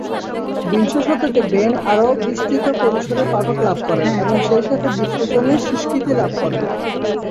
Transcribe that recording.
বিংশ শতকে বেন আরও বিস্তৃত পরিসরে পাঠক লাভ করেন, এবং সেইসাথে বিশ্লেষণী স্বীকৃতি লাভ করেন।